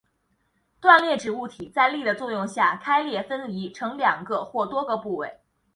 断裂指物体在力的作用下开裂分离成两个或多个部分。